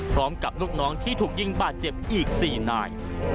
พร้อมกับลูกน้องที่ถูกยิงบาดเจ็บอีก๔นาย